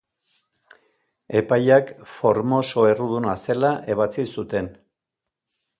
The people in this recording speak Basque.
Epaiak Formoso erruduna zela ebatzi zuten.